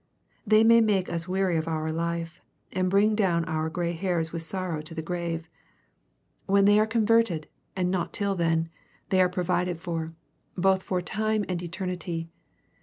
They may make ns weary of our life, and bring down our grey hairs with sorrow to the grave. When they are con^ 11 EXPOSITORY THOUGHTS. verted, and not till then, they are provided for, both for time and eternity.